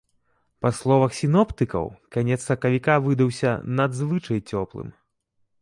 Па словах сіноптыкаў, канец сакавіка выдаўся надзвычай цёплым.